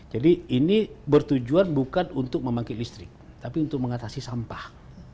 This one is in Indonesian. jadi ini bertujuan bukan untuk membangkit listrik tapi untuk mengatasi sampah